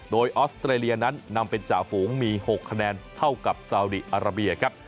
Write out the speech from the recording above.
โดยออสเตรเลียนั้นนำเป็นจ่าฝูงมี๖คะแนนเท่ากับซาวดีอาราเบียครับ